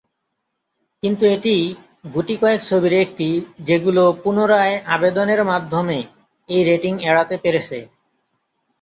কিন্তু এটি গুটিকয়েক ছবির একটি যেগুলো পুনরায় আবেদনের মাধ্যমে এই রেটিং এড়াতে পেরেছে।